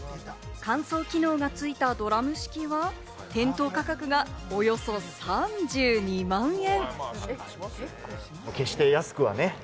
乾燥機能がついたドラム式は店頭価格がおよそ３２万円。